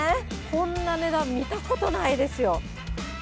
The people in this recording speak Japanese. こんな値段、見たことないですよ。